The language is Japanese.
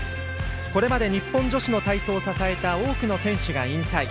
これまで日本女子の体操を支えた多くの選手が引退。